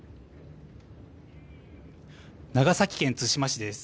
長崎県対馬市です。